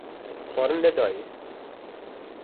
xwarin nedayê.